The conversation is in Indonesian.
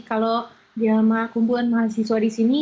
kalau di alma kumpulan mahasiswa di sini